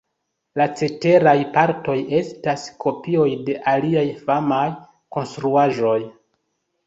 La ceteraj partoj estas kopioj de aliaj famaj konstruaĵoj.